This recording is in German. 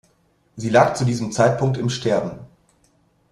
Sie lag zu diesem Zeitpunkt im Sterben.